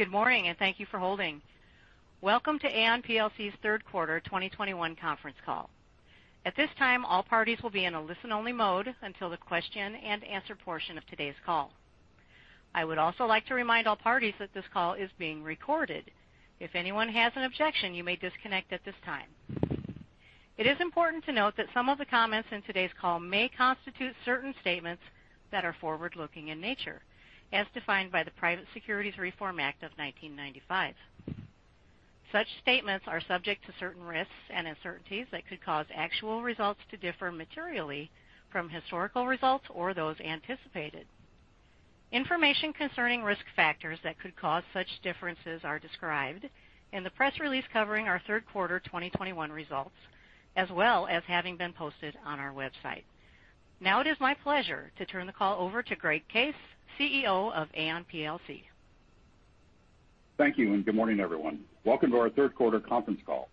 Good morning, and thank you for holding. Welcome to Aon plc's third quarter 2021 conference call. At this time, all parties will be in a listen-only mode until the question-and-answer portion of today's call. I would also like to remind all parties that this call is being recorded. If anyone has an objection, you may disconnect at this time. It is important to note that some of the comments in today's call may constitute certain statements that are forward-looking in nature, as defined by the Private Securities Litigation Reform Act of 1995. Such statements are subject to certain risks and uncertainties that could cause actual results to differ materially from historical results or those anticipated. Information concerning risk factors that could cause such differences are described in the press release covering our third quarter 2021 results, as well as having been posted on our website. Now it is my pleasure to turn the call over to Greg Case, CEO of Aon plc. Thank you, and good morning, everyone. Welcome to our third quarter conference call.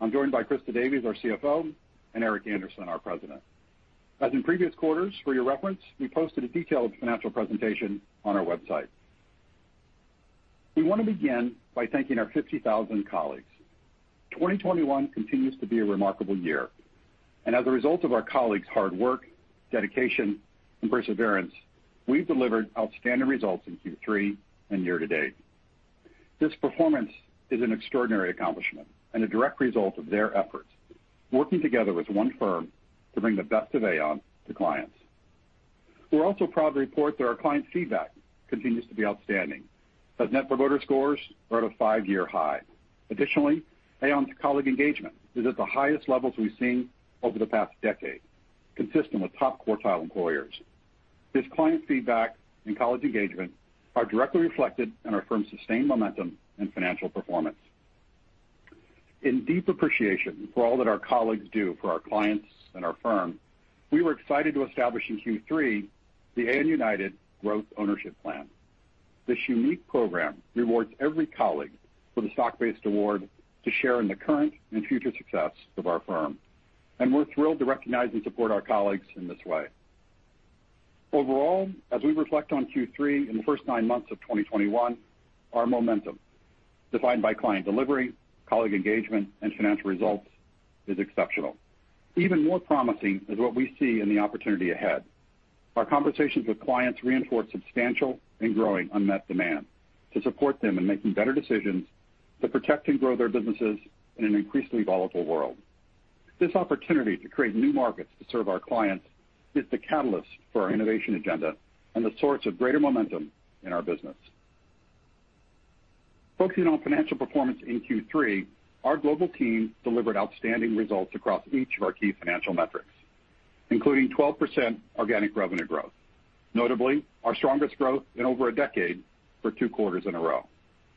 I'm joined by Christa Davies, our CFO, and Eric Andersen, our President. As in previous quarters, for your reference, we posted a detailed financial presentation on our website. We want to begin by thanking our 50,000 colleagues. 2021 continues to be a remarkable year. As a result of our colleagues' hard work, dedication, and perseverance, we've delivered outstanding results in Q3 and year-to-date. This performance is an extraordinary accomplishment and a direct result of their efforts, working together as one firm to bring the best of Aon to clients. We're also proud to report that our client feedback continues to be outstanding, as net promoter scores are at a five-year high. Additionally, Aon's colleague engagement is at the highest levels we've seen over the past decade, consistent with top-quartile employers. This client feedback and colleague engagement are directly reflected in our firm's sustained momentum and financial performance. In deep appreciation for all that our colleagues do for our clients and our firm, we were excited to establish in Q3 the Aon United Growth Ownership Plan. This unique program rewards every colleague with a stock-based award to share in the current and future success of our firm. We're thrilled to recognize and support our colleagues in this way. Overall, as we reflect on Q3 in the first nine months of 2021, our momentum, defined by client delivery, colleague engagement, and financial results, is exceptional. Even more promising is what we see in the opportunity ahead. Our conversations with clients reinforce substantial and growing unmet demand to support them in making better decisions to protect and grow their businesses in an increasingly volatile world. This opportunity to create new markets to serve our clients is the catalyst for our innovation agenda and the source of greater momentum in our business. Focusing on financial performance in Q3, our global team delivered outstanding results across each of our key financial metrics, including 12% organic revenue growth. Notably, our strongest growth in over a decade for two quarters in a row,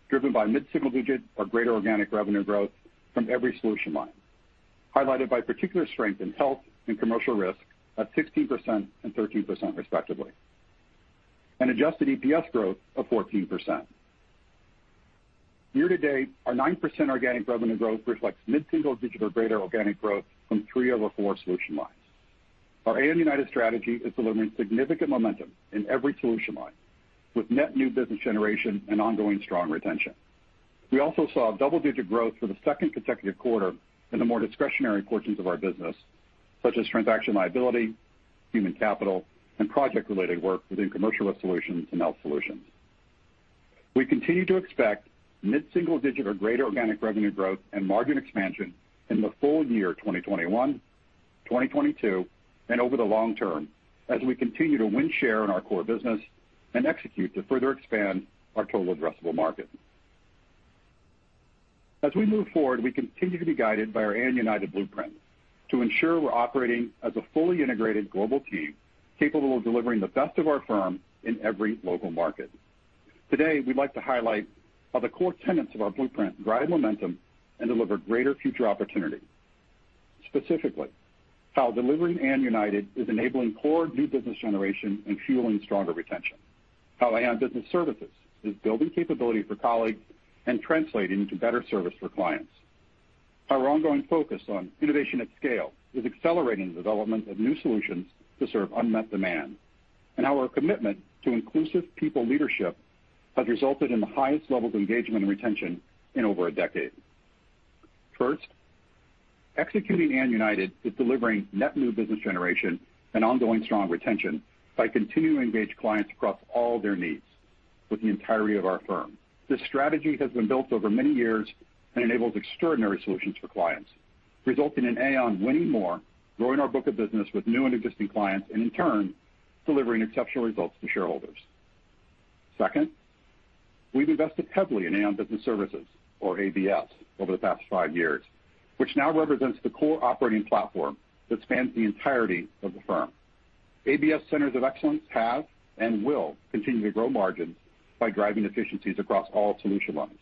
driven by mid-single digit or greater organic revenue growth from every solution line, highlighted by particular strength in Health and Commercial Risk at 16% and 13% respectively, and adjusted EPS growth of 14%. Year-to-date, our 9% organic revenue growth reflects mid-single digit or greater organic growth from three of our four solution lines. Our Aon United strategy is delivering significant momentum in every solution line, with net new business generation and ongoing strong retention. We also saw double-digit growth for the second consecutive quarter in the more discretionary portions of our business, such as Transaction Liability, Human Capital, and project-related work within Commercial Risk Solutions and Health Solutions. We continue to expect mid-single digit or greater organic revenue growth and margin expansion in the full year 2021, 2022, and over the long term as we continue to win share in our core business and execute to further expand our total addressable market. As we move forward, we continue to be guided by our Aon United blueprint to ensure we're operating as a fully integrated global team capable of delivering the best of our firm in every local market. Today, we'd like to highlight how the core tenets of our blueprint drive momentum and deliver greater future opportunity. Specifically, how delivering Aon United is enabling core new business generation and fueling stronger retention. How Aon Business Services is building capability for colleagues and translating to better service for clients. How our ongoing focus on innovation at scale is accelerating the development of new solutions to serve unmet demand. How our commitment to inclusive people leadership has resulted in the highest levels of engagement and retention in over a decade. First, executing Aon United is delivering net new business generation and ongoing strong retention by continuing to engage clients across all their needs with the entirety of our firm. This strategy has been built over many years and enables extraordinary solutions for clients, resulting in Aon winning more, growing our book of business with new and existing clients, and in turn, delivering exceptional results to shareholders. Second, we've invested heavily in Aon Business Services or ABS over the past five years, which now represents the core operating platform that spans the entirety of the firm. ABS centers of excellence have and will continue to grow margins by driving efficiencies across all solution lines.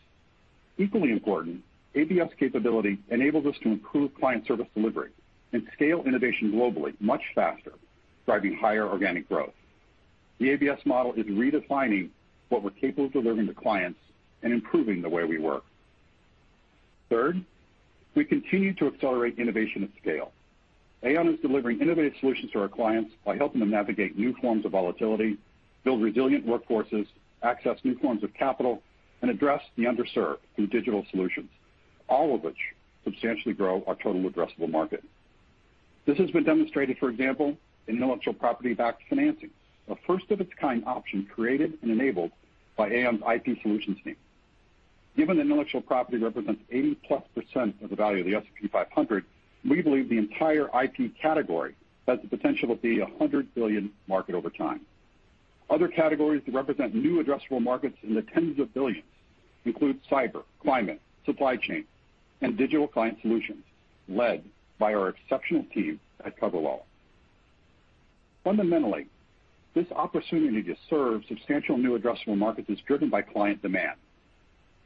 Equally important, ABS capability enables us to improve client service delivery and scale innovation globally much faster, driving higher organic growth. The ABS model is redefining what we're capable of delivering to clients and improving the way we work. Third, we continue to accelerate innovation at scale. Aon is delivering innovative solutions to our clients by helping them navigate new forms of volatility, build resilient workforces, access new forms of capital, and address the underserved through digital solutions, all of which substantially grow our total addressable market. This has been demonstrated, for example, in intellectual property backed financing, a first of its kind option created and enabled by Aon's IP Solutions team. Given intellectual property represents 80%+ of the value of the S&P 500, we believe the entire IP category has the potential to be a $100 billion market over time. Other categories that represent new addressable markets in the tens of billions include cyber, climate, supply chain, and digital client solutions, led by our exceptional team at CoverWallet. Fundamentally, this opportunity to serve substantial new addressable markets is driven by client demand.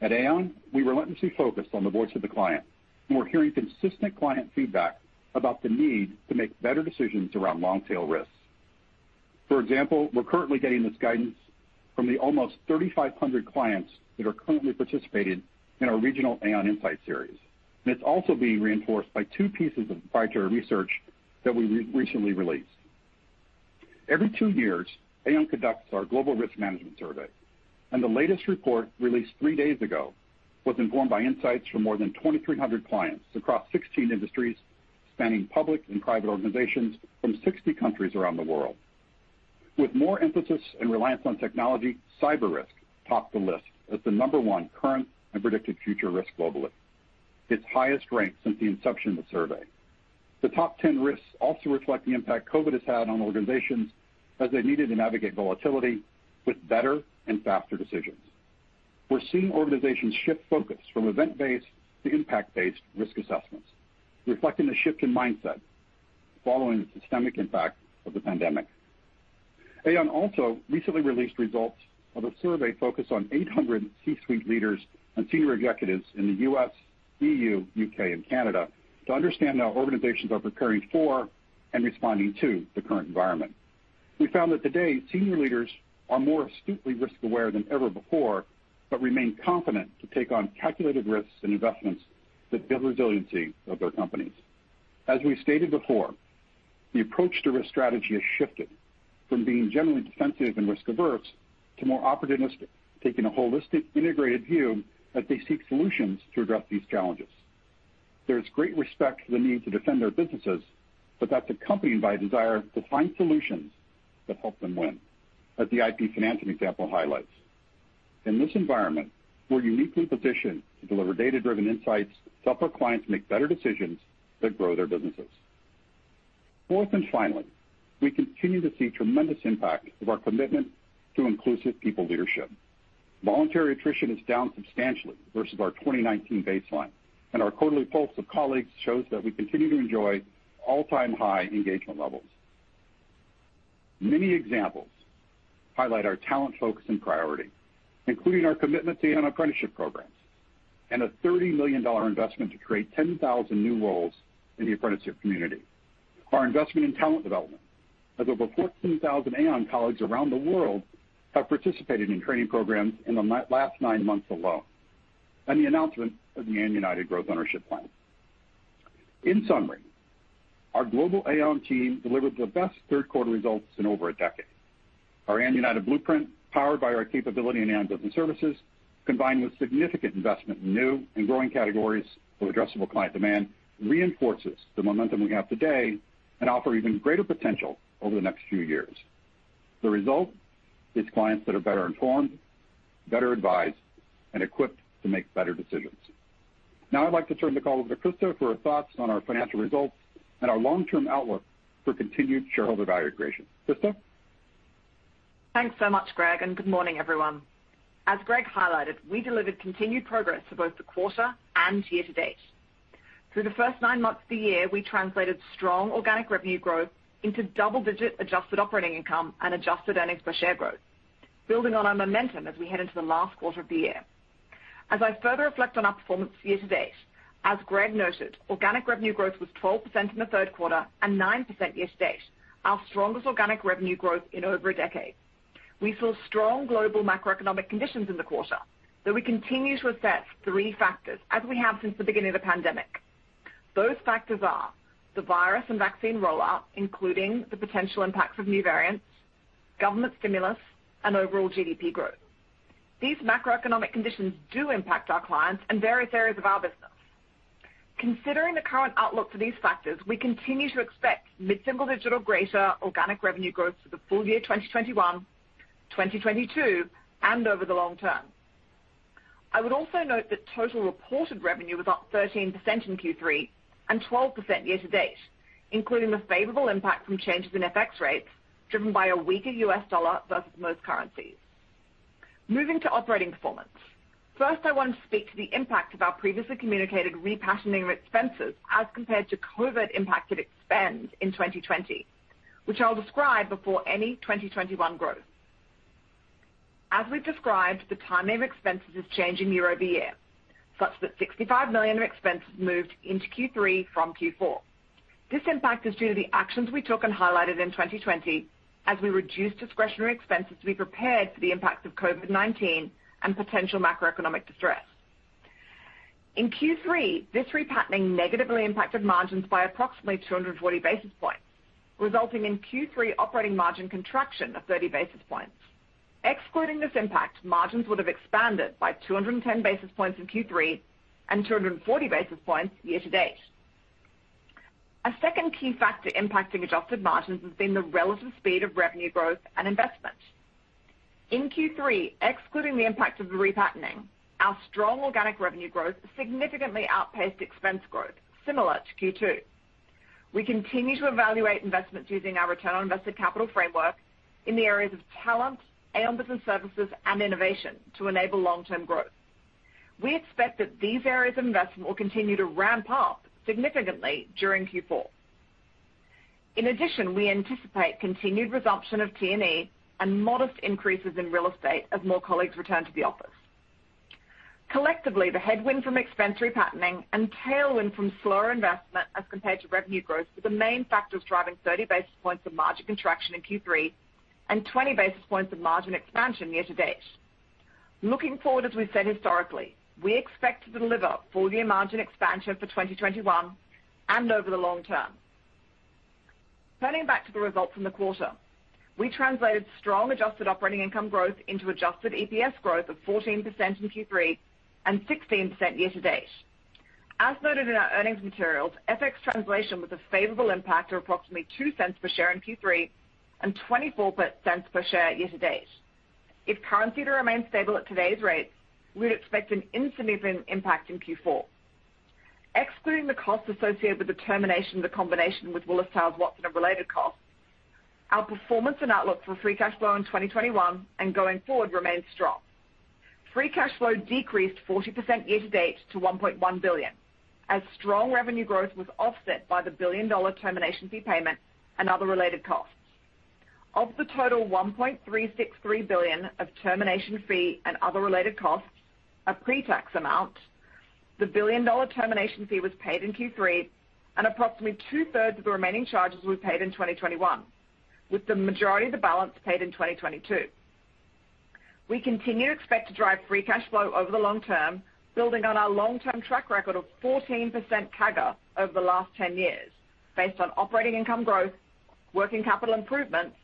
At Aon, we relentlessly focus on the voice of the client, and we're hearing consistent client feedback about the need to make better decisions around long tail risks. For example, we're currently getting this guidance from the almost 3,500 clients that are currently participating in our regional Aon Insight Series. It's also being reinforced by two pieces of proprietary research that we recently released. Every two years, Aon conducts our Global Risk Management Survey, and the latest report, released three days ago, was informed by insights from more than 2,300 clients across 16 industries, spanning public and private organizations from 60 countries around the world. With more emphasis and reliance on technology, cyber risk topped the list as the number one current and predicted future risk globally, its highest rank since the inception of the survey. The top 10 risks also reflect the impact COVID-19 has had on organizations as they've needed to navigate volatility with better and faster decisions. We're seeing organizations shift focus from event-based to impact-based risk assessments, reflecting the shift in mindset following the systemic impact of the pandemic. Aon also recently released results of a survey focused on 800 C-suite leaders and senior executives in the U.S., EU, U.K., and Canada to understand how organizations are preparing for and responding to the current environment. We found that today, senior leaders are more astutely risk aware than ever before, but remain confident to take on calculated risks and investments that build resiliency of their companies. As we stated before, the approach to risk strategy has shifted from being generally defensive and risk-averse to more opportunistic, taking a holistic integrated view as they seek solutions to address these challenges. There's great respect for the need to defend their businesses, but that's accompanied by a desire to find solutions that help them win, as the IP financing example highlights. In this environment, we're uniquely positioned to deliver data-driven insights to help our clients make better decisions that grow their businesses. Fourth and finally, we continue to see tremendous impact of our commitment to inclusive people leadership. Voluntary attrition is down substantially versus our 2019 baseline, and our quarterly pulse of colleagues shows that we continue to enjoy all-time high engagement levels. Many examples highlight our talent focus and priority, including our commitment to Aon apprenticeship programs and a $30 million investment to create 10,000 new roles in the apprenticeship community. Our investment in talent development has over 14,000 Aon colleagues around the world have participated in training programs in the last nine months alone. The announcement of the Aon United Growth Ownership Plan. In summary, our global Aon team delivered the best third quarter results in over a decade. Our Aon United Blueprint, powered by our capability in Aon Business Services, combined with significant investment in new and growing categories of addressable client demand, reinforces the momentum we have today and offer even greater potential over the next few years. The result is clients that are better informed, better advised, and equipped to make better decisions. Now I'd like to turn the call over to Christa for her thoughts on our financial results and our long-term outlook for continued shareholder value creation. Christa? Thanks so much, Greg, and good morning, everyone. As Greg highlighted, we delivered continued progress for both the quarter and year to date. Through the first nine months of the year, we translated strong organic revenue growth into double-digit adjusted operating income and adjusted earnings per share growth, building on our momentum as we head into the last quarter of the year. As I further reflect on our performance year to date, as Greg noted, organic revenue growth was 12% in the third quarter and 9% year to date, our strongest organic revenue growth in over a decade. We saw strong global macroeconomic conditions in the quarter, though we continue to assess three factors as we have since the beginning of the pandemic. Those factors are the virus and vaccine rollout, including the potential impacts of new variants, government stimulus, and overall GDP growth. These macroeconomic conditions do impact our clients and various areas of our business. Considering the current outlook for these factors, we continue to expect mid-single-digit or greater organic revenue growth for the full year 2021, 2022, and over the long term. I would also note that total reported revenue was up 13% in Q3 and 12% year to date, including the favorable impact from changes in FX rates driven by a weaker U.S. dollar versus most currencies. Moving to operating performance. First, I want to speak to the impact of our previously communicated repatterning of expenses as compared to COVID impacted expense in 2020, which I'll describe before any 2021 growth. As we've described, the timing of expenses is changing year over year, such that $65 million of expenses moved into Q3 from Q4. This impact is due to the actions we took and highlighted in 2020 as we reduced discretionary expenses to be prepared for the impact of COVID-19 and potential macroeconomic distress. In Q3, this repatterning negatively impacted margins by approximately 240 basis points, resulting in Q3 operating margin contraction of 30 basis points. Excluding this impact, margins would have expanded by 210 basis points in Q3 and 240 basis points year-to-date. A second key factor impacting adjusted margins has been the relative speed of revenue growth and investment. In Q3, excluding the impact of the repatterning, our strong organic revenue growth significantly outpaced expense growth, similar to Q2. We continue to evaluate investments using our return on invested capital framework in the areas of talent, Aon Business Services, and innovation to enable long-term growth. We expect that these areas of investment will continue to ramp up significantly during Q4. In addition, we anticipate continued resumption of T&E and modest increases in real estate as more colleagues return to the office. Collectively, the headwind from expense repatterning and tailwind from slower investment as compared to revenue growth were the main factors driving 30 basis points of margin contraction in Q3 and 20 basis points of margin expansion year-to-date. Looking forward, as we've said historically, we expect to deliver full year margin expansion for 2021 and over the long term. Turning back to the results from the quarter, we translated strong adjusted operating income growth into adjusted EPS growth of 14% in Q3 and 16% year-to-date. As noted in our earnings materials, FX translation was a favorable impact of approximately $0.02 per share in Q3 and 24 cents per share year-to-date. If currency were to remain stable at today's rates, we would expect an insignificant impact in Q4. Excluding the costs associated with the termination of the combination with Willis Towers Watson and related costs, our performance and outlook for free cash flow in 2021 and going forward remains strong. Free cash flow decreased 40% year-to-date to $1.1 billion, as strong revenue growth was offset by the billion-dollar termination fee payment and other related costs. Of the total $1.363 billion of termination fee and other related costs, a pre-tax amount, the billion-dollar termination fee was paid in Q3, and approximately two-thirds of the remaining charges were paid in 2021, with the majority of the balance paid in 2022. We continue to expect to drive free cash flow over the long term, building on our long-term track record of 14% CAGR over the last 10 years based on operating income growth, working capital improvements,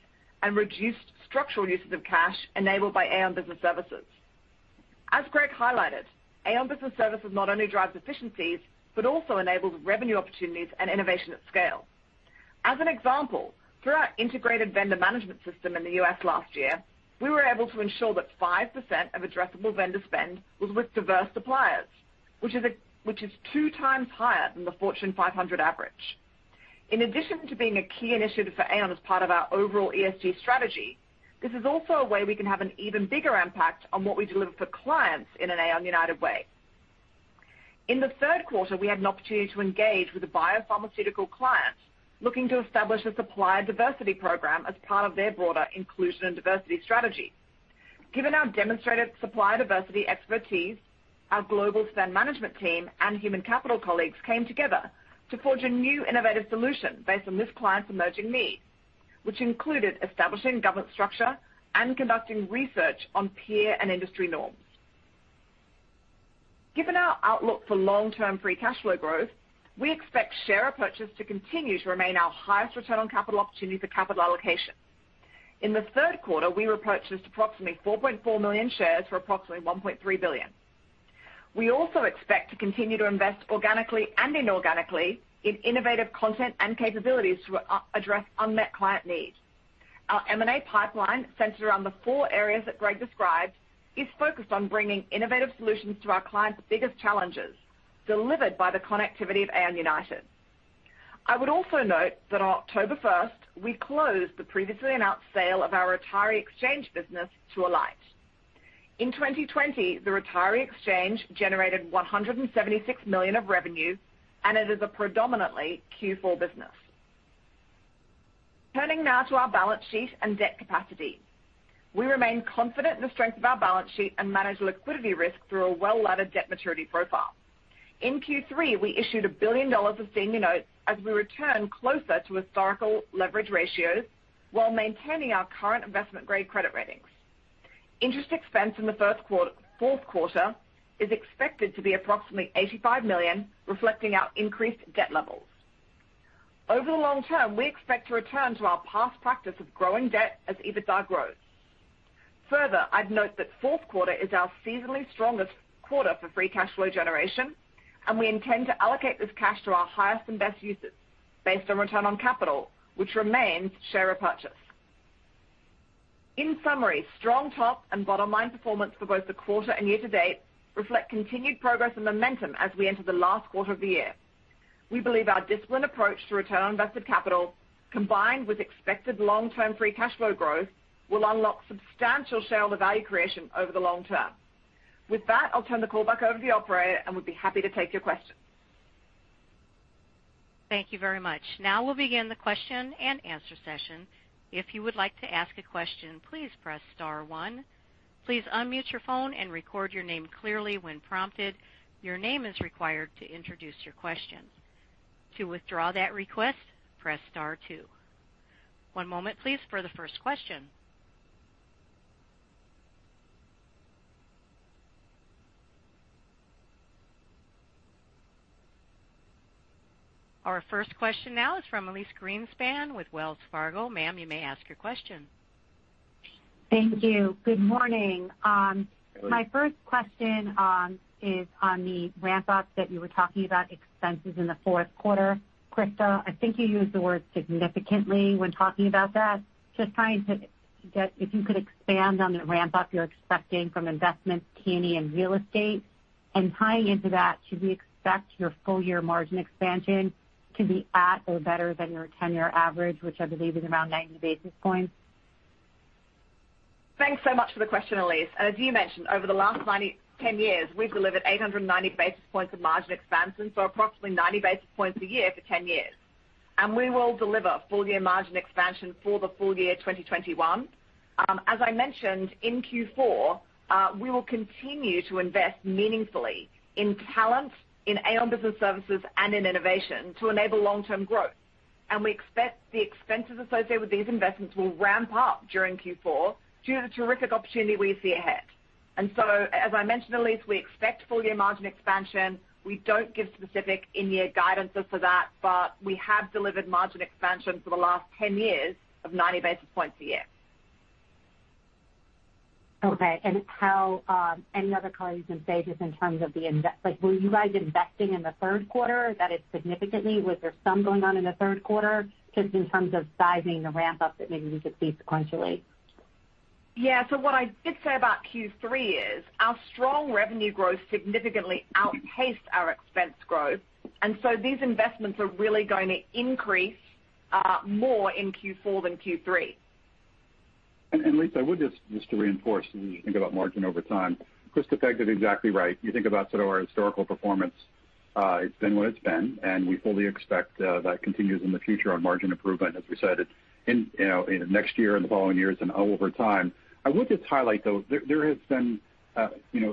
and reduced structural uses of cash enabled by Aon Business Services. As Greg highlighted, Aon Business Services not only drives efficiencies, but also enables revenue opportunities and innovation at scale. As an example, through our integrated vendor management system in the U.S. last year, we were able to ensure that 5% of addressable vendor spend was with diverse suppliers, which is 2x higher than the Fortune 500 average. In addition to being a key initiative for Aon as part of our overall ESG strategy, this is also a way we can have an even bigger impact on what we deliver for clients in an Aon United way. In the third quarter, we had an opportunity to engage with a biopharmaceutical client looking to establish a supplier diversity program as part of their broader inclusion and diversity strategy. Given our demonstrated supplier diversity expertise, our global spend management team and Human Capital colleagues came together to forge a new innovative solution based on this client's emerging needs, which included establishing governance structure and conducting research on peer and industry norms. Given our outlook for long-term free cash flow growth, we expect share repurchase to continue to remain our highest return on capital opportunity for capital allocation. In the third quarter, we repurchased approximately 4.4 million shares for approximately $1.3 billion. We also expect to continue to invest organically and inorganically in innovative content and capabilities to address unmet client needs. Our M&A pipeline, centered around the four areas that Greg described, is focused on bringing innovative solutions to our clients' biggest challenges, delivered by the connectivity of Aon United. I would also note that on October first, we closed the previously announced sale of our Retiree Exchange business to Alight. In 2020, the Retiree Exchange generated $176 million of revenue, and it is a predominantly Q4 business. Turning now to our balance sheet and debt capacity. We remain confident in the strength of our balance sheet and manage liquidity risk through a well-laddered debt maturity profile. In Q3, we issued $1 billion of senior notes as we return closer to historical leverage ratios while maintaining our current investment-grade credit ratings. Interest expense in the fourth quarter is expected to be approximately $85 million, reflecting our increased debt levels. Over the long term, we expect to return to our past practice of growing debt as EBITDA grows. Further, I'd note that fourth quarter is our seasonally strongest quarter for free cash flow generation, and we intend to allocate this cash to our highest and best uses based on return on capital, which remains share repurchase. In summary, strong top and bottom-line performance for both the quarter and year-to-date reflect continued progress and momentum as we enter the last quarter of the year. We believe our disciplined approach to return on invested capital, combined with expected long-term free cash flow growth, will unlock substantial shareholder value creation over the long term. With that, I'll turn the call back over to the operator, and we'll be happy to take your questions. Thank you very much. Now we'll begin the question-and-answer session. If you would like to ask a question, please press star one. Please unmute your phone and record your name clearly when prompted. Your name is required to introduce your question. To withdraw that request, press star two. One moment please for the first question. Our first question now is from Elyse Greenspan with Wells Fargo. Ma'am, you may ask your question. Thank you. Good morning. My first question is on the ramp up that you were talking about expenses in the fourth quarter. Christa, I think you used the word significantly when talking about that. Just trying to get if you could expand on the ramp up you're expecting from investments, T&E, and real estate. Tying into that, should we expect your full year margin expansion to be at or better than your 10-year average, which I believe is around 90 basis points? Thanks so much for the question, Elyse. As you mentioned, over the last ten years, we've delivered 890 basis points of margin expansion, so approximately 90 basis points a year for ten years. We will deliver full-year margin expansion for the full year 2021. As I mentioned in Q4, we will continue to invest meaningfully in talent, in Aon Business Services and in innovation to enable long-term growth. We expect the expenses associated with these investments will ramp up during Q4 due to the terrific opportunity we see ahead. As I mentioned, Elyse, we expect full-year margin expansion. We don't give specific in-year guidances for that, but we have delivered margin expansion for the last ten years of 90 basis points a year. Okay. How about any other color you can say just in terms of, like, were you guys investing in the third quarter? That is significant. Was there something going on in the third quarter just in terms of sizing the ramp up that maybe we should see sequentially? Yeah. What I did say about Q3 is our strong revenue growth significantly outpaced our expense growth, and so these investments are really going to increase more in Q4 than Q3. Elyse, I would just to reinforce as you think about margin over time. Christa pegged it exactly right. You think about sort of our historical performance, it's been what it's been, and we fully expect that continues in the future on margin improvement, as we said, you know, in next year and the following years and over time. I would just highlight, though, there has been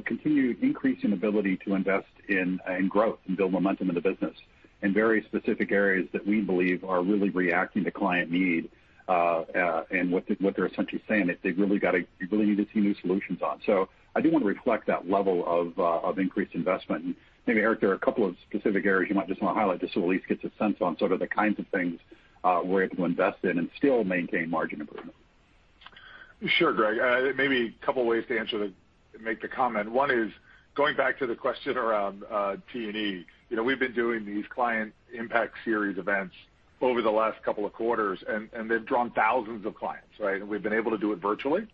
continued increasing ability to invest in growth and build momentum in the business in very specific areas that we believe are really reacting to client need, and what they're essentially saying that you really need to see new solutions on. I do want to reflect that level of increased investment. Maybe, Eric, there are a couple of specific areas you might just want to highlight, just so Elyse gets a sense on sort of the kinds of things, we're able to invest in and still maintain margin improvement. Sure, Greg. Maybe a couple ways to answer the make the comment. One is, going back to the question around, T&E. You know, we've been doing these client impact series events over the last couple of quarters, and they've drawn thousands of clients, right? We've been able to do it virtually,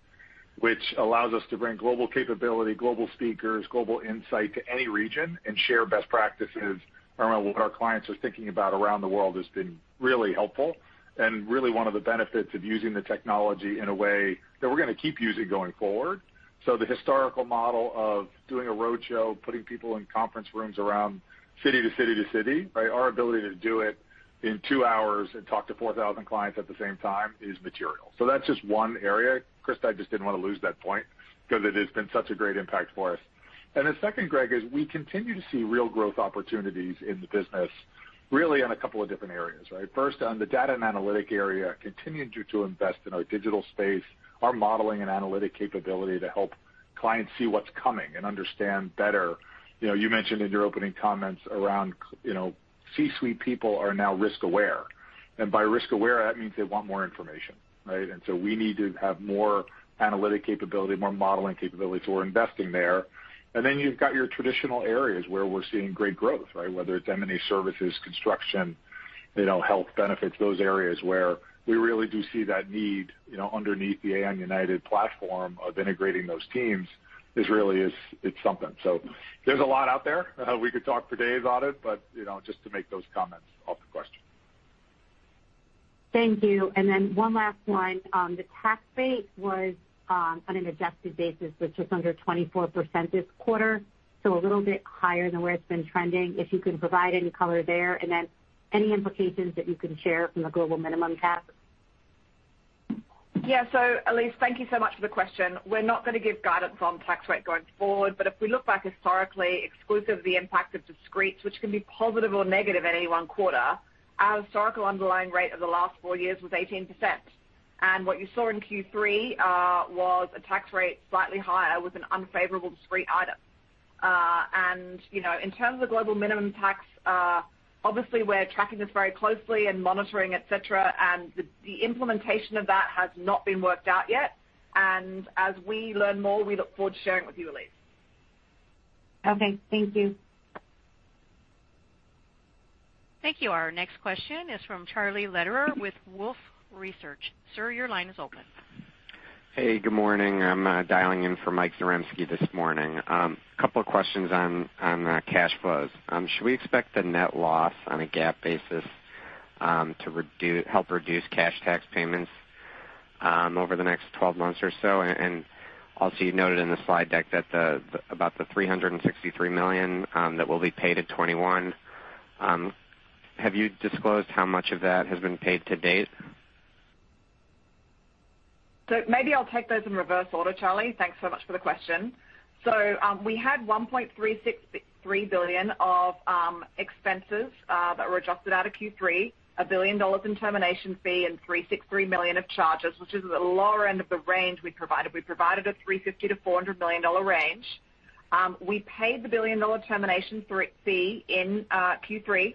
which allows us to bring global capability, global speakers, global insight to any region and share best practices around what our clients are thinking about around the world has been really helpful and really one of the benefits of using the technology in a way that we're going to keep using going forward. The historical model of doing a roadshow, putting people in conference rooms around city to city to city, right, our ability to do it in two hours and talk to 4,000 clients at the same time is material. That's just one area. Christa, I just didn't want to lose that point because it has been such a great impact for us. The second, Greg, is we continue to see real growth opportunities in the business, really in a couple of different areas, right? First, on the data and analytic area, continuing to invest in our digital space, our modeling and analytic capability to help clients see what's coming and understand better. You know, you mentioned in your opening comments around, you know, C-suite people are now risk aware. By risk aware, that means they want more information, right? We need to have more analytic capability, more modeling capability, so we're investing there. Then you've got your traditional areas where we're seeing great growth, right? Whether it's M&A services, construction, you know, health benefits, those areas where we really do see that need, you know, underneath the Aon United platform of integrating those teams is really something. So, there's a lot out there. We could talk for days on it, but, you know, just to make those comments off the question. Thank you. One last one. The tax rate, on an adjusted basis, was just under 24% this quarter, so a little bit higher than where it's been trending. If you can provide any color there, and then any implications that you can share from the global minimum tax. Yeah. Elyse, thank you so much for the question. We're not going to give guidance on tax rate going forward, but if we look back historically, exclusive of the impact of discretes, which can be positive or negative in any one quarter, our historical underlying rate of the last four years was 18%. What you saw in Q3 was a tax rate slightly higher with an unfavorable discrete item. You know, in terms of global minimum tax, obviously we're tracking this very closely and monitoring, et cetera, and the implementation of that has not been worked out yet. As we learn more, we look forward to sharing with you, Elyse. Okay. Thank you. Thank you. Our next question is from Charlie Lederer with Wolfe Research. Sir, your line is open. Hey, good morning. I'm dialing in for Mike Zaremski this morning. A couple of questions on cash flows. Should we expect the net loss on a GAAP basis to help reduce cash tax payments over the next 12 months or so? And also, you noted in the slide deck about the $363 million that will be paid in 2021. Have you disclosed how much of that has been paid to date? Maybe I'll take those in reverse order, Charlie. Thanks so much for the question. We had $1.363 billion of expenses that were adjusted out of Q3, $1 billion in termination fee and $363 million of charges, which is at the lower end of the range we provided. We provided a $350 million-$400 million range. We paid the $1 billion termination fee in Q3.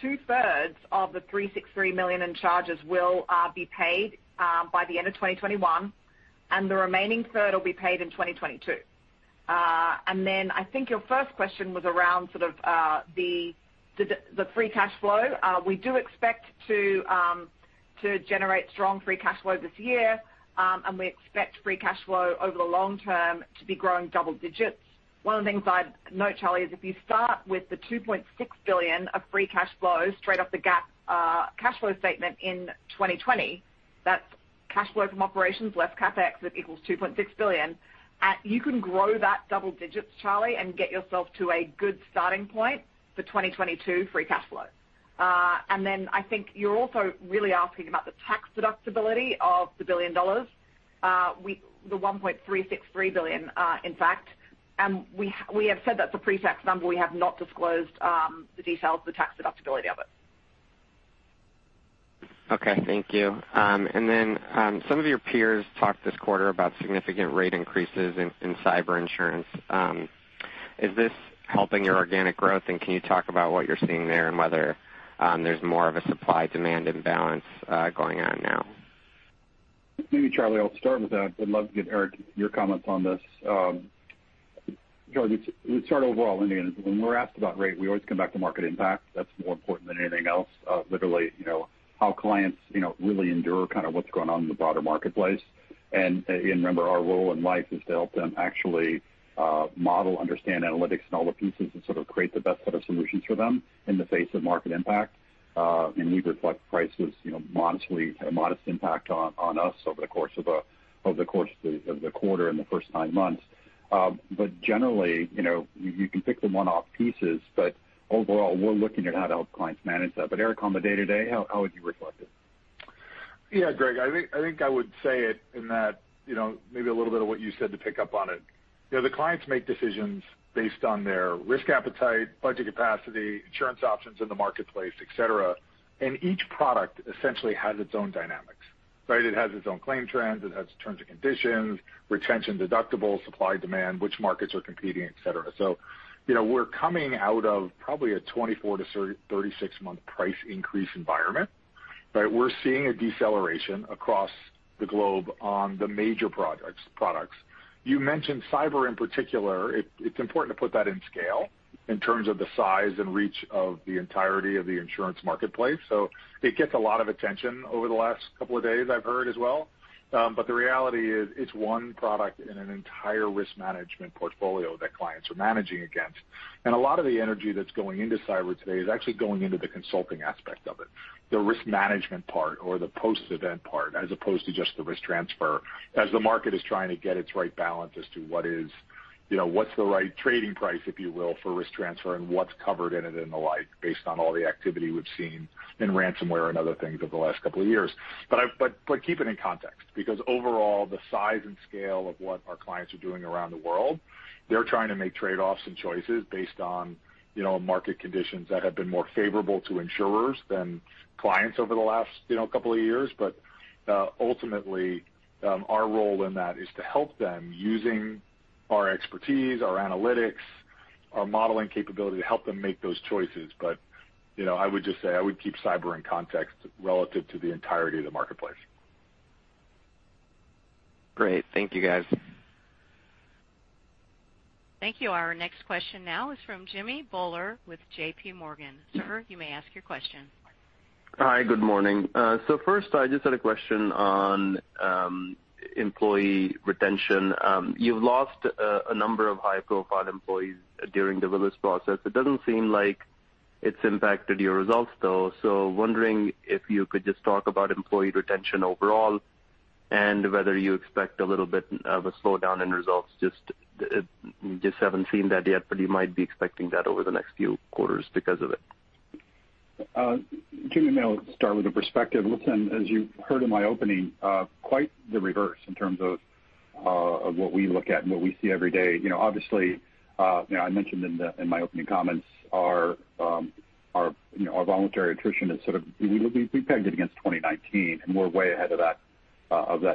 Two-thirds of the $363 million in charges will be paid by the end of 2021, and the remaining third will be paid in 2022. I think your first question was around sort of the free cash flow. We do expect to generate strong free cash flow this year, and we expect free cash flow over the long term to be growing double digits. One of the things I'd note, Charlie, is if you start with the $2.6 billion of free cash flow straight off the GAAP cash flow statement in 2020, that's cash flow from operations, less CapEx, it equals $2.6 billion. You can grow that double digits, Charlie, and get yourself to a good starting point for 2022 free cash flow. Then I think you're also really asking about the tax deductibility of the $1 billion. The $1.363 billion, in fact, and we have said that's a pre-tax number. We have not disclosed the details of the tax deductibility of it. Okay, thank you. Some of your peers talked this quarter about significant rate increases in cyber insurance. Is this helping your organic growth? Can you talk about what you're seeing there and whether there's more of a supply-demand imbalance going on now? Maybe, Charlie, I'll start with that. I'd love to get Eric, your comments on this. Charlie, we start overall. I mean, when we're asked about rate, we always come back to market impact. That's more important than anything else. Literally, you know, how clients, you know, really endure kind of what's going on in the broader marketplace. Remember, our role in life is to help them actually, model, understand analytics and all the pieces, and sort of create the best set of solutions for them in the face of market impact. We reflect prices, you know, modestly, a modest impact on us over the course of the quarter in the first nine months. Generally, you know, you can pick the one-off pieces, but overall, we're looking at how to help clients manage that. Eric, on the day-to-day, how would you reflect it? Yeah, Greg, I think I would say it in that, you know, maybe a little bit of what you said to pick up on it. You know, the clients make decisions based on their risk appetite, budget capacity, insurance options in the marketplace, et cetera. Each product essentially has its own dynamics, right? It has its own claim trends, it has terms and conditions, retention, deductibles, supply, demand, which markets are competing, et cetera. You know, we're coming out of probably a 24- to 36-month price increase environment, right? We're seeing a deceleration across the globe on the major products. You mentioned cyber in particular. It's important to put that in scale in terms of the size and reach of the entirety of the insurance marketplace. It gets a lot of attention over the last couple of days, I've heard as well. The reality is it's one product in an entire risk management portfolio that clients are managing against. A lot of the energy that's going into cyber today is actually going into the consulting aspect of it, the risk management part or the post-event part, as opposed to just the risk transfer, as the market is trying to get its right balance as to what is, you know, what's the right trading price, if you will, for risk transfer and what's covered in it and the like, based on all the activity we've seen in ransomware and other things over the last couple of years. Keep it in context, because overall, the size and scale of what our clients are doing around the world, they're trying to make trade-offs and choices based on, you know, market conditions that have been more favorable to insurers than clients over the last, you know, couple of years. Ultimately, our role in that is to help them using our expertise, our analytics, our modeling capability to help them make those choices. You know, I would just say I would keep cyber in context relative to the entirety of the marketplace. Great. Thank you, guys. Thank you. Our next question now is from Jimmy Bhullar with JPMorgan. Sir, you may ask your question. Hi, good morning. First, I just had a question on employee retention. You've lost a number of high-profile employees during the Willis process. It doesn't seem like it's impacted your results, though. Wondering if you could just talk about employee retention overall and whether you expect a little bit of a slowdown in results. Just haven't seen that yet, but you might be expecting that over the next few quarters because of it. Jimmy, I'll start with a perspective. Listen, as you heard in my opening, quite the reverse in terms of what we look at and what we see every day. You know, obviously, you know, I mentioned in my opening comments, our voluntary attrition is sort of. We pegged it against 2019, and we're way ahead of that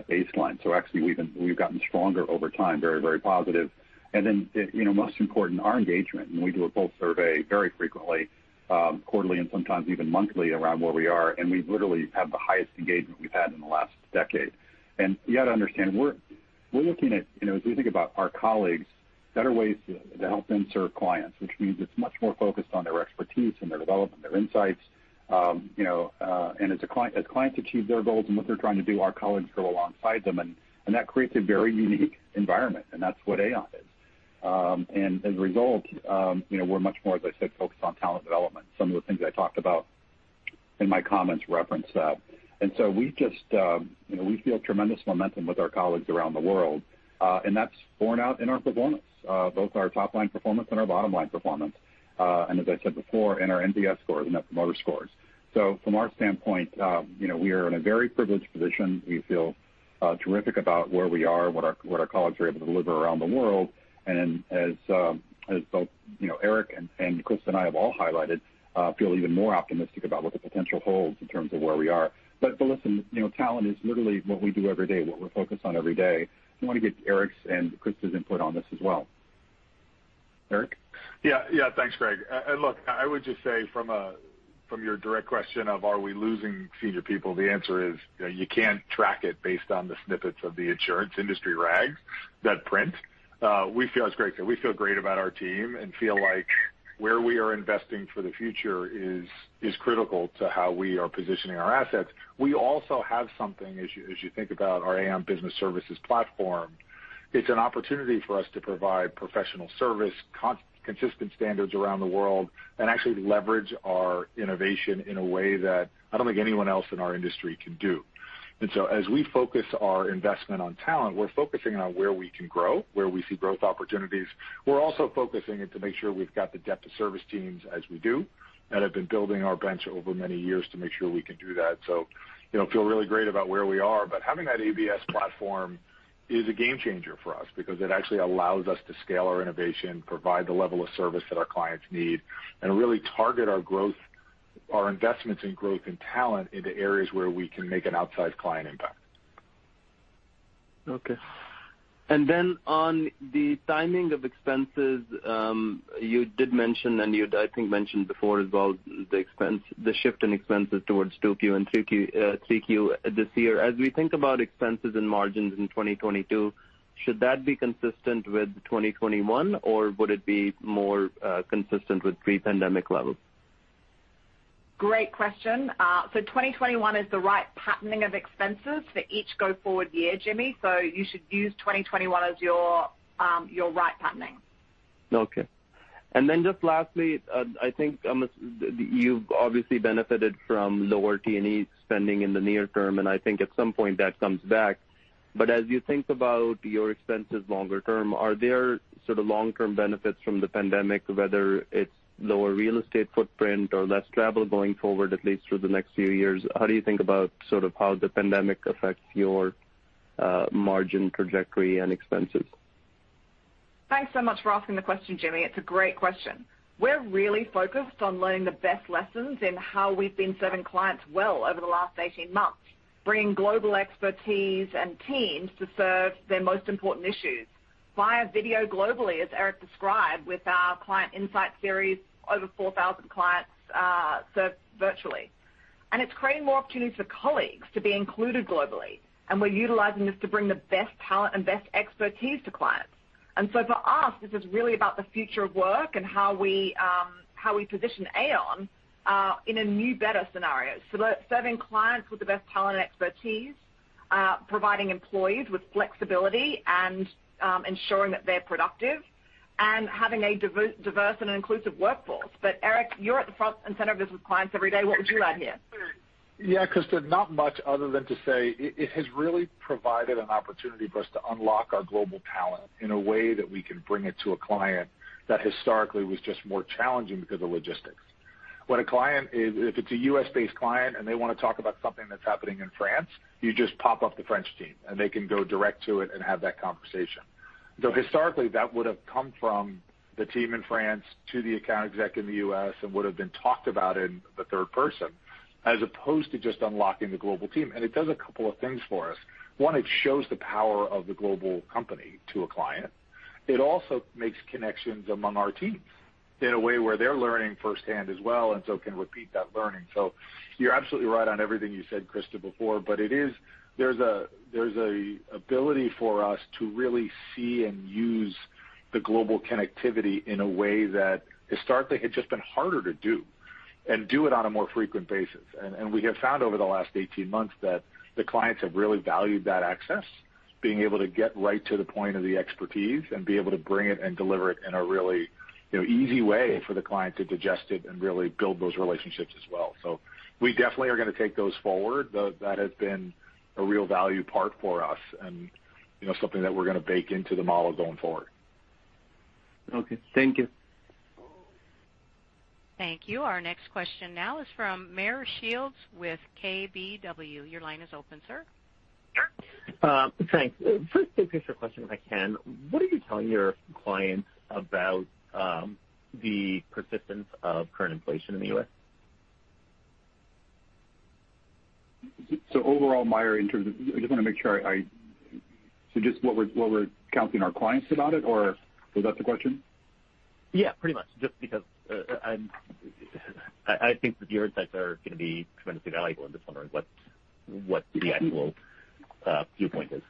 baseline. Actually, we've gotten stronger over time. Very positive. Then, you know, most important, our engagement, and we do a pulse survey very frequently, quarterly and sometimes even monthly around where we are, and we literally have the highest engagement we've had in the last decade. You got to understand, we're looking at, you know, as we think about our colleagues, better ways to help them serve clients, which means it's much more focused on their expertise and their development, their insights. As clients achieve their goals and what they're trying to do, our colleagues go alongside them, and that creates a very unique environment, and that's what Aon is. As a result, you know, we're much more, as I said, focused on talent development. Some of the things I talked about in my comments referenced that. We just, you know, we feel tremendous momentum with our colleagues around the world, and that's borne out in our performance, both our top line performance and our bottom-line performance, and as I said before, in our NPS score, net promoter scores. From our standpoint, you know, we are in a very privileged position. We feel terrific about where we are and what our colleagues are able to deliver around the world. As both, you know, Eric and Christa and I have all highlighted, feel even more optimistic about what the potential holds in terms of where we are. Listen, you know, talent is literally what we do every day, what we're focused on every day. I want to get Eric's and Christa's input on this as well. Eric? Yeah. Yeah. Thanks, Greg. Look, I would just say from your direct question of are we losing senior people, the answer is, you know, you can't track it based on the snippets of the insurance industry rags that print. As Greg said, we feel great about our team and feel like where we are investing for the future is critical to how we are positioning our assets. We also have something as you think about our Aon Business Services platform, it's an opportunity for us to provide professional services, consistent standards around the world, and actually leverage our innovation in a way that I don't think anyone else in our industry can do. As we focus our investment on talent, we're focusing on where we can grow, where we see growth opportunities. We're also focusing it to make sure we've got the depth of service teams as we do that have been building our bench over many years to make sure we can do that. You know, we feel really great about where we are. Having that ABS platform is a game changer for us because it actually allows us to scale our innovation, provide the level of service that our clients need, and really target our growth, our investments in growth and talent into areas where we can make an outsized client impact. Okay. Then on the timing of expenses, you did mention, and you'd, I think, mentioned before as well, the shift in expenses towards 2Q and 3Q this year. As we think about expenses and margins in 2022, should that be consistent with 2021, or would it be more consistent with pre-pandemic levels? Great question. 2021 is the right patterning of expenses for each go forward year, Jimmy, so you should use 2021 as your right patterning. Okay. Then just lastly, I think you've obviously benefited from lower T&E spending in the near term, and I think at some point that comes back. As you think about your expenses longer term, are there sort of long-term benefits from the pandemic, whether it's lower real estate footprint or less travel going forward, at least through the next few years? How do you think about sort of how the pandemic affects your margin trajectory and expenses? Thanks so much for asking the question, Jimmy. It's a great question. We're really focused on learning the best lessons in how we've been serving clients well over the last 18 months, bringing global expertise and teams to serve their most important issues via video globally, as Eric described, with our Aon Insight Series, over 4,000 clients served virtually. It's creating more opportunities for colleagues to be included globally, and we're utilizing this to bring the best talent and best expertise to clients. For us, this is really about the future of work and how we position Aon in a new, better scenario. Serving clients with the best talent and expertise, providing employees with flexibility and ensuring that they're productive and having a diverse and inclusive workforce. Eric, you're at the front and center of business with clients every day. What would you add here? Yeah. 'Cause not much other than to say it has really provided an opportunity for us to unlock our global talent in a way that we can bring it to a client that historically was just more challenging because of logistics. If it's a U.S.-based client and they want to talk about something that's happening in France, you just pop up the French team, and they can go direct to it and have that conversation. Though historically, that would have come from the team in France to the account exec in the U.S., and would have been talked about in the third person, as opposed to just unlocking the global team. It does a couple of things for us. One, it shows the power of the global company to a client. It also makes connections among our teams in a way where they're learning firsthand as well and so can repeat that learning. You're absolutely right on everything you said, Christa, before, but it is. There's an ability for us to really see and use the global connectivity in a way that historically had just been harder to do, and do it on a more frequent basis. We have found over the last 18 months that the clients have really valued that access, being able to get right to the point of the expertise and be able to bring it and deliver it in a really, you know, easy way for the client to digest it and really build those relationships as well. We definitely are going to take those forward. That has been a real value part for us and, you know, something that we're going to bake into the model going forward. Okay. Thank you. Thank you. Our next question now is from Meyer Shields with KBW. Your line is open, sir. Sure. Thanks. First, a bigger picture question, if I can. What are you telling your clients about the persistence of current inflation in the U.S.? Overall, Meyer, I just want to make sure. Just what we're counseling our clients about it, or was that the question? Yeah, pretty much. Just because I think that your insights are going to be tremendously valuable. I'm just wondering what the actual viewpoint is.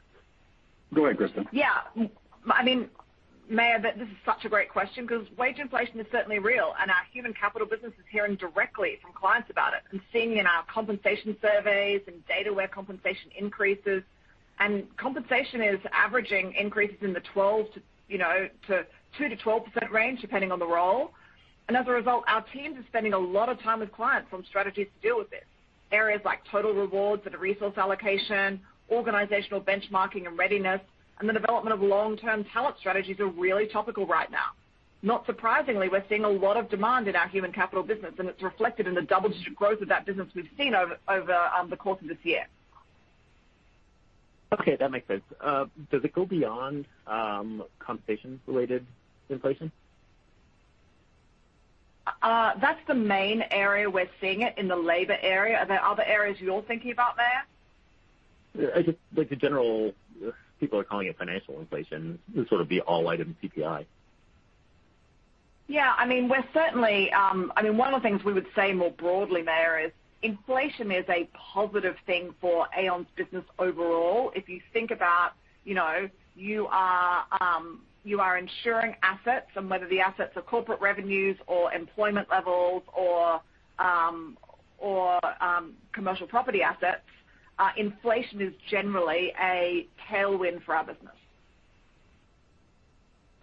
Go ahead, Christa. Yeah. I mean, Meyer, this is such a great question because wage inflation is certainly real, and our Human Capital business is hearing directly from clients about it and seeing in our compensation surveys and data where compensation is averaging increases in the 2%-12% range, depending on the role. As a result, our teams are spending a lot of time with clients on strategies to deal with this. Areas like total rewards and resource allocation, organizational benchmarking and readiness, and the development of long-term talent strategies are really topical right now. Not surprisingly, we're seeing a lot of demand in our Human Capital business, and it's reflected in the double-digit growth of that business we've seen over the course of this year. Okay, that makes sense. Does it go beyond compensation-related inflation? That's the main area we're seeing it, in the labor area. Are there other areas you're thinking about, Meyer? Just like the general people are calling it financial inflation. This would sort of be all item CPI. Yeah, I mean, we're certainly, I mean, one of the things we would say more broadly, Meyer, is inflation is a positive thing for Aon's business overall. If you think about, you know, you are insuring assets and whether the assets are corporate revenues or employment levels or commercial property assets, inflation is generally a tailwind for our business.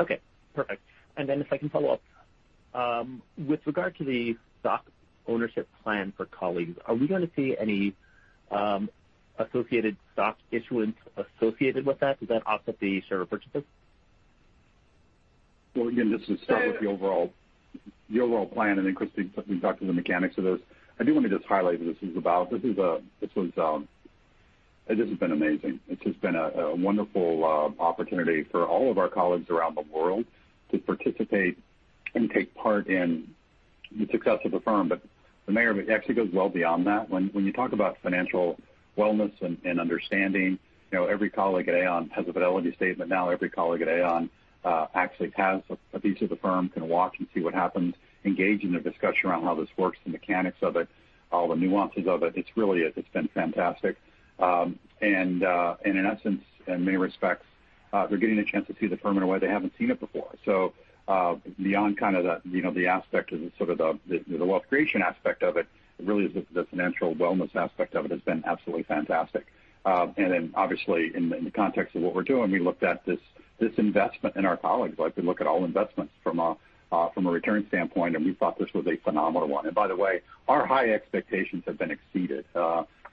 Okay. Perfect. If I can follow up with regard to the stock ownership plan for colleagues, are we gonna see any associated stock issuance associated with that? Does that offset the share purchases? Well, again, just to start with the overall plan, and then, Christa, we can talk through the mechanics of this. I do want to just highlight what this is about. It's just been amazing. It's just been a wonderful opportunity for all of our colleagues around the world to participate and take part in the success of the firm. Meyer, it actually goes well beyond that. When you talk about financial wellness and understanding, you know, every colleague at Aon has a Fidelity statement. Now, every colleague at Aon actually has a piece of the firm, can watch and see what happens, engage in a discussion around how this works, the mechanics of it, all the nuances of it. It's really, it's been fantastic. In essence, in many respects, they're getting a chance to see the firm in a way they haven't seen it before. Beyond kind of the, you know, the aspect of the sort of the wealth creation aspect of it, really the financial wellness aspect of it has been absolutely fantastic. Obviously in the context of what we're doing, we looked at this investment in our colleagues like we look at all investments from a return standpoint, and we thought this was a phenomenal one. By the way, our high expectations have been exceeded.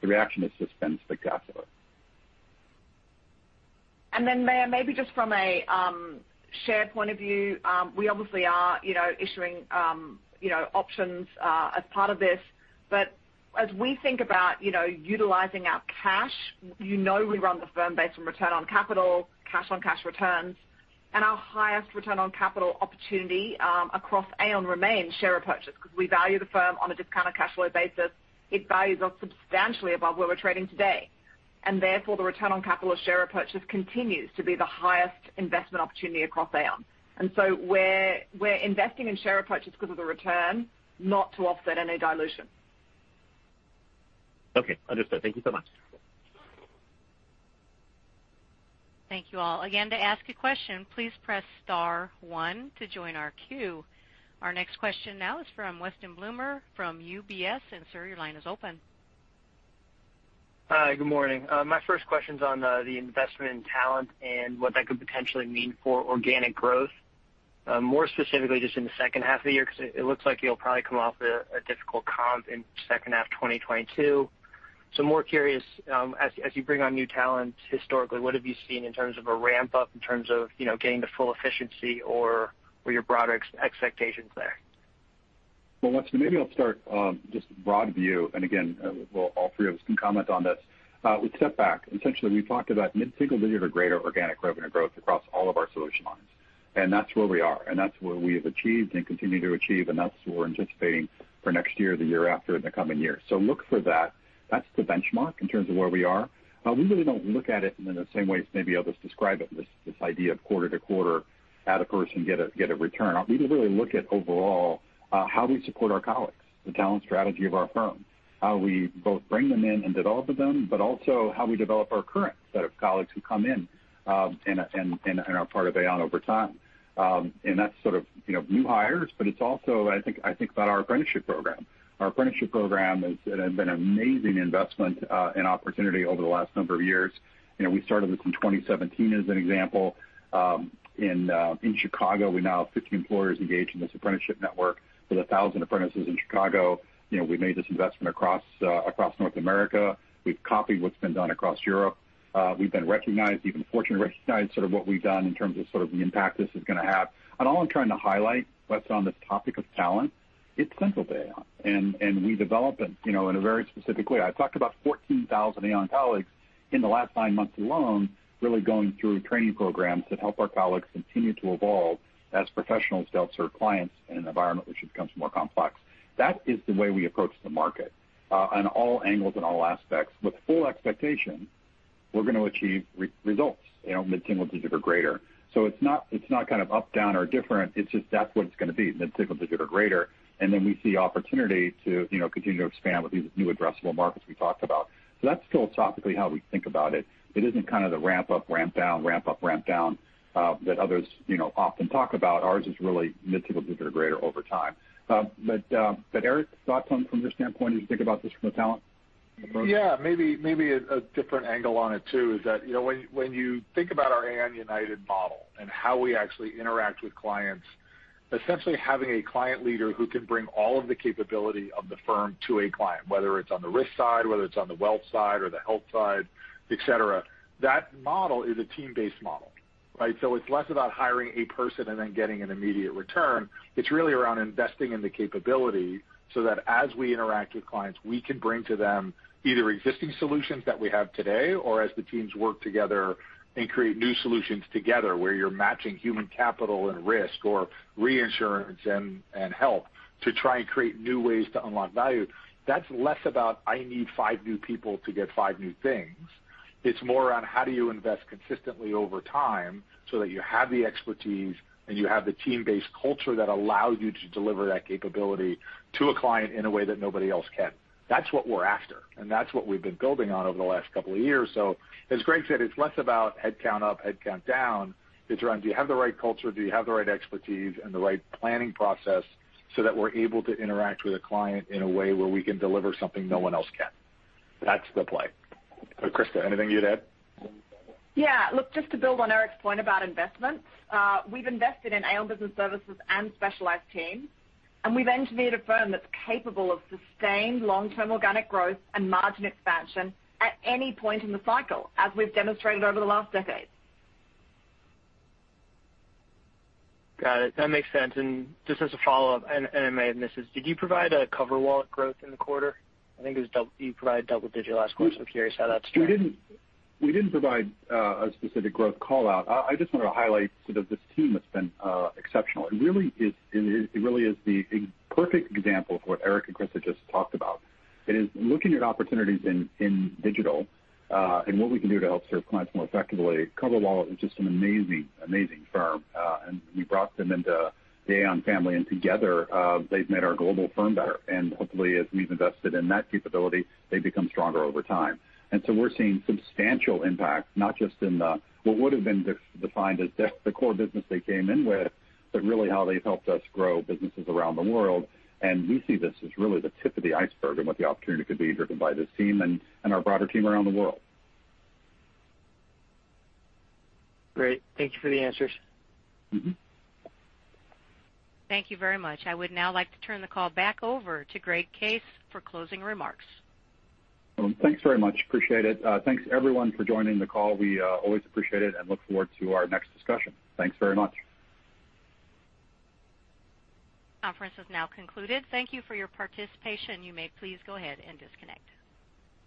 The reaction has just been spectacular. Meyer, maybe just from a shareholder point of view, we obviously are, you know, issuing, you know, options as part of this. As we think about, you know, utilizing our cash, you know we run the firm based on return on capital, cash on cash returns, and our highest return on capital opportunity across Aon remains share repurchase because we value the firm on a discounted cash flow basis. It values us substantially above where we're trading today, and therefore, the return on capital of share repurchase continues to be the highest investment opportunity across Aon. We're investing in share repurchase because of the return, not to offset any dilution. Okay, understood. Thank you so much. Thank you all. Again, to ask a question, please press star one to join our queue. Our next question now is from Weston Bloomer from UBS. Sir, your line is open. Hi, good morning. My first question is on the investment in talent and what that could potentially mean for organic growth, more specifically just in the second half of the year, 'cause it looks like you'll probably come off a difficult comp in second half of 2022. More curious, as you bring on new talent historically, what have you seen in terms of a ramp-up in terms of, you know, gaining the full efficiency or your broader expectations there? Well, Weston, maybe I'll start, just broad view. Again, well, all three of us can comment on this. We step back. Essentially, we've talked about mid-single digit or greater organic revenue growth across all of our solution lines. That's where we are, and that's where we have achieved and continue to achieve, and that's what we're anticipating for next year, the year after, in the coming years. Look for that. That's the benchmark in terms of where we are. We really don't look at it in the same way as maybe others describe it, this idea of quarter to quarter, add a person, get a return. We really look at overall, how we support our colleagues, the talent strategy of our firm. How we both bring them in and develop them, but also how we develop our current set of colleagues who come in and are part of Aon over time. That's sort of, you know, new hires, but it's also I think about our apprenticeship program. Our apprenticeship program has been an amazing investment and opportunity over the last number of years. You know, we started this in 2017 as an example. In Chicago, we now have 50 employers engaged in this apprenticeship network with 1,000 apprentices in Chicago. You know, we made this investment across North America. We've copied what's been done across Europe. We've been recognized, even fortunately recognized sort of what we've done in terms of sort of the impact this is going to have. All I'm trying to highlight, Weston, on this topic of talent, it's central to Aon, and we develop it, you know, in a very specific way. I've talked about 14,000 Aon colleagues in the last nine months alone, really going through training programs that help our colleagues continue to evolve as professionals to help serve clients in an environment which becomes more complex. That is the way we approach the market on all angles and all aspects with full expectation we're going to achieve results, you know, mid-single digit or greater. It's not, it's not kind of up, down or different. It's just that's what it's going to be, mid-single digit or greater. Then we see opportunity to, you know, continue to expand with these new addressable markets we talked about. That's philosophically how we think about it. It isn't kind of the ramp up, ramp down, ramp up, ramp down, that others, you know, often talk about. Ours is really mid-single digit or greater over time. But Eric, thoughts from your standpoint as you think about this from a talent perspective? Yeah, maybe a different angle on it too is that, you know, when you think about our Aon United model and how we actually interact with clients, essentially having a client leader who can bring all of the capability of the firm to a client, whether it's on the risk side, whether it's on the wealth side or the health side, et cetera, that model is a team-based model, right? It's less about hiring a person and then getting an immediate return. It's really around investing in the capability so that as we interact with clients, we can bring to them either existing solutions that we have today, or as the teams work together and create new solutions together, where you're matching Human Capital and risk or reinsurance and health to try and create new ways to unlock value. That's less about I need five new people to get five new things. It's more around how do you invest consistently over time, so that you have the expertise, and you have the team-based culture that allows you to deliver that capability to a client in a way that nobody else can. That's what we're after, and that's what we've been building on over the last couple of years. As Greg said, it's less about headcount up, headcount down. It's around do you have the right culture? Do you have the right expertise and the right planning process so that we're able to interact with a client in a way where we can deliver something no one else can? That's the play. Christa, anything you'd add? Yeah. Look, just to build on Eric Andersen's point about investments, we've invested in Aon Business Services and specialized teams, and we've engineered a firm that's capable of sustained long-term organic growth and margin expansion at any point in the cycle, as we've demonstrated over the last decade. Got it. That makes sense. Just as a follow-up, and I may have missed this, did you provide a CoverWallet growth in the quarter? I think it was you provided double digit last quarter, so curious how that's tracking. We didn't provide a specific growth call-out. I just wanted to highlight sort of this team that's been exceptional. It really is a perfect example of what Eric and Christa just talked about. It is looking at opportunities in digital and what we can do to help serve clients more effectively. CoverWallet is just an amazing firm. We brought them into the Aon family, and together, they've made our global firm better. Hopefully, as we've invested in that capability, they become stronger over time. We're seeing substantial impact, not just in the what would've been defined as the core business they came in with, but really how they've helped us grow businesses around the world. We see this as really the tip of the iceberg and what the opportunity could be driven by this team and our broader team around the world. Great. Thank you for the answers. Mm-hmm. Thank you very much. I would now like to turn the call back over to Greg Case for closing remarks. Thanks very much. Appreciate it. Thanks everyone for joining the call. We always appreciate it and look forward to our next discussion. Thanks very much. Conference is now concluded. Thank you for your participation. You may please go ahead and disconnect.